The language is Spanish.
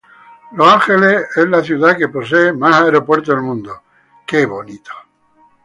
Los Ángeles es la metrópolis que posee más aeropuertos del mundo.